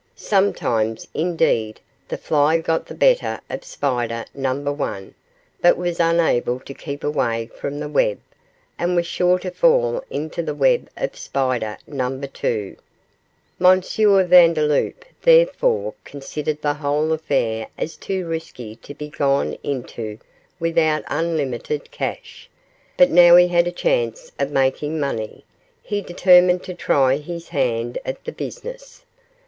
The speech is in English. Sometimes, indeed, the fly got the better of spider number one, but was unable to keep away from the web, and was sure to fall into the web of spider number two. M. Vandeloup, therefore, considered the whole affair as too risky to be gone into without unlimited cash; but now he had a chance of making money, he determined to try his hand at the business.